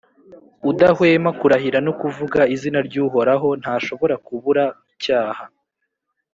udahwema kurahira no kuvuga izina ry’Uhorahontashobora kubura icyaha.